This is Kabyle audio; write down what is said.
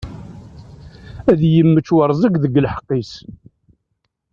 Ad yemmečč warẓeg deg lḥeqq-is.